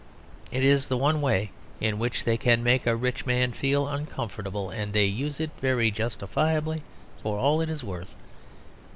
It is the one way in which they can make a rich man feel uncomfortable, and they use it very justifiably for all it is worth.